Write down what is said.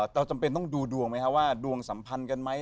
จำเป็นต้องดูดวงไหมคะว่าดวงสัมพันธ์กันไหม